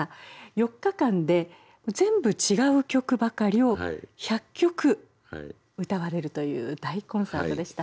４日間で全部違う曲ばかりを１００曲歌われるという大コンサートでした。